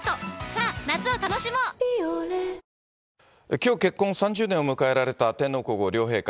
きょう結婚３０年を迎えられた天皇皇后両陛下。